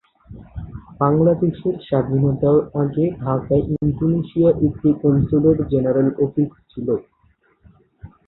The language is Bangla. বাংলাদেশের স্বাধীনতার আগে ঢাকায় ইন্দোনেশিয়ার একটি কনস্যুলেট জেনারেল অফিস ছিল।